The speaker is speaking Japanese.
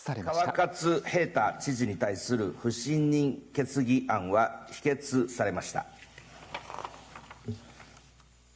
川勝平太知事に対する不信任決議案は否決されました。